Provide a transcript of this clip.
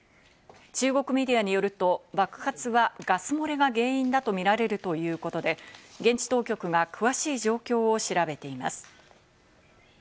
中国メディアによると、爆発はガス漏れが原因だとみられるということで、現地当局が詳しい状況を調べています。